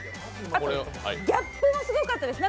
あとギャップもすごかったんですよ。